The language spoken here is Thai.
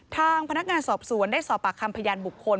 ทางพนักงานสอบสวนได้สอบปากคำพยานบุคคล